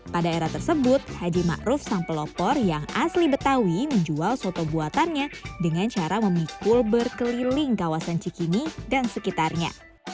pada era tersebut haji ⁇ maruf ⁇ sang pelopor yang asli betawi menjual soto buatannya dengan cara memikul berkeliling kawasan cikini dan sekitarnya